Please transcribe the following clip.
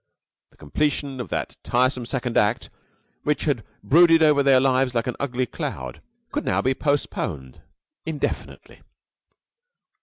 The completion of that tiresome second act, which had brooded over their lives like an ugly cloud, could now be postponed indefinitely.